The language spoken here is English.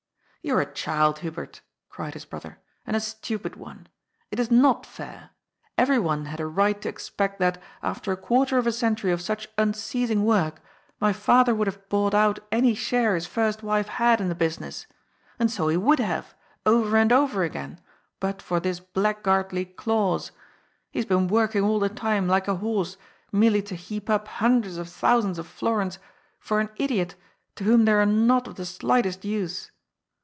" You are a child, Hubert," cried his brother, " and a stupid one. It is not fair. Everyone had a right to expect that, after a quarter of a century of such unceasing work, my father would haye bought out any share his first wife had in the business. And so he would hare, over and over again, but for this blackguardly clause. He has been work ing all the time, like a horse, merely to heap up hundreds of thousands of florins for an idiot to whom they are not of the slightest use.